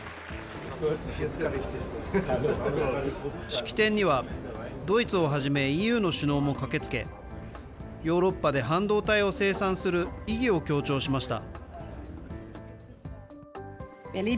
式典には、ドイツをはじめ、ＥＵの首脳も駆けつけ、ヨーロッパで半導体を生産する意義を強調しました。